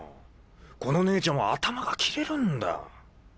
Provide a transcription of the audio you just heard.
この姉ちゃんは頭が切れるんだ。